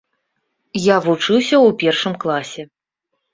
Я вучыўся ў першым класе.